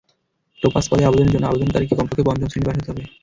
Topaz পদে আবেদনের জন্য আবেদনকারীকে কমপক্ষে পঞ্চম শ্রেণি পাস হতে হবে।